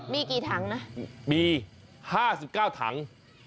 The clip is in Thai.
มีกี่ถังนะมี๕๙ถัง